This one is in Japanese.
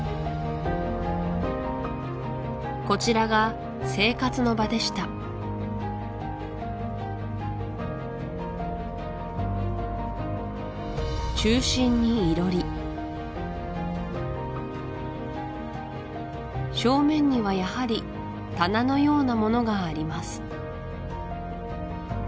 こちらが生活の場でした中心に囲炉裏正面にはやはり棚のようなものがあります